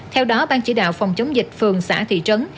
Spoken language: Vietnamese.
theo đó ban chỉ đạo phòng chống dịch phường xã thị trấn